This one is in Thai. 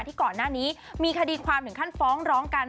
ที่ก่อนหน้านี้มีคดีความถึงขั้นฟ้องร้องกัน